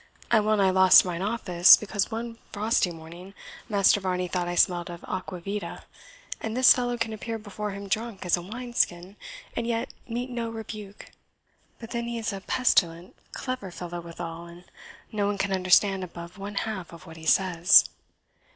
I well nigh lost mine office, because one frosty morning Master Varney thought I smelled of aqua vitae; and this fellow can appear before him drunk as a wineskin, and yet meet no rebuke. But then he is a pestilent clever fellow withal, and no one can understand above one half of what he says."